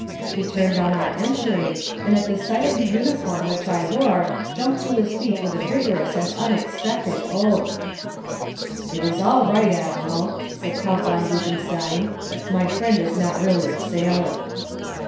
He turned on our entering and at the sight of the uniform which I wore jumped to his feet with a vigorous and unexpected oath. "It is all right, Admiral," said Count Von Boobenstein. "My friend is not really a sailor."